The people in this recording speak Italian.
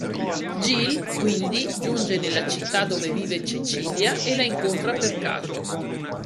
Gil, quindi, giunge nella città dove vive Cecilia, e la incontra per caso.